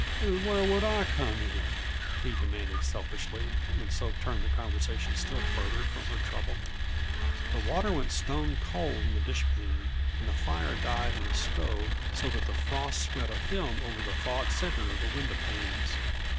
"And where would I come in?" he demanded selfishly, and so turned the conversation still farther from her trouble. The water went stone cold in the dishpan and the fire died in the stove so that the frost spread a film over the thawed centre of the window panes.